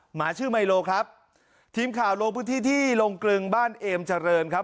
หมาชื่อไมโลครับทีมข่าวลงพื้นที่ที่ลงกรึงบ้านเอมเจริญครับ